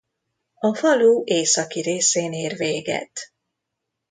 A falu északi részén ér véget.